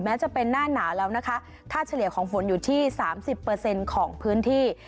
แม้จะเป็นหน้าหนาวแล้วนะคะท่าเฉลี่ยของฝนอยู่ที่สามสิบเปอร์เซ็นต์ของพื้นที่